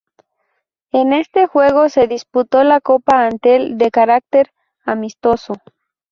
En este juego se disputó la Copa Antel de carácter amistoso.